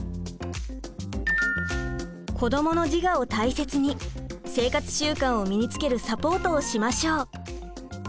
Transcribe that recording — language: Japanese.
子どもの自我を大切に生活習慣を身につけるサポートをしましょう。